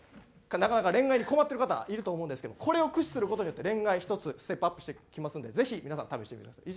なかなか恋愛に困ってる方いると思うんですけどこれを駆使する事によって恋愛１つステップアップしてきますんでぜひ皆さん試してみてください。